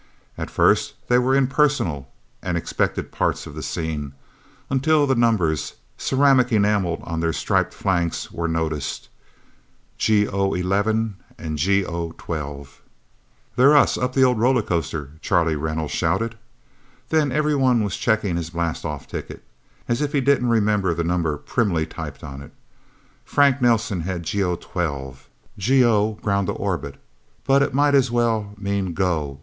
At first they were impersonal and expected parts of the scene, until the numbers, ceramic enamelled on their striped flanks, were noticed: GO 11 and GO 12. "They're us up the old roller coaster!" Charlie Reynolds shouted. Then everybody was checking his blastoff ticket, as if he didn't remember the number primly typed on it. Frank Nelsen had GO 12. GO Ground to Orbit. But it might as well mean go!